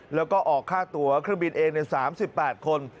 แล้วก็ออกค่าตั๋วข้อบินเองเลย๓๘คน